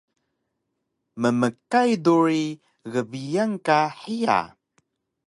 Mmkay duri gbiyan ka hiya